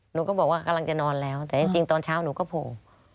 หนูก็บอกว่ากำลังจะนอนแล้วแต่จริงตอนเช้าหนูก็โผล่